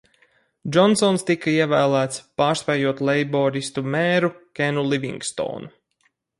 Džonsons tika ievēlēts, pārspējot leiboristu mēru Kenu Livingstonu.